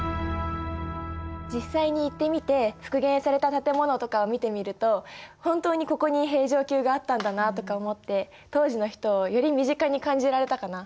実際に行ってみて復元された建物とかを見てみると本当にここに平城宮があったんだなとか思って当時の人をより身近に感じられたかな。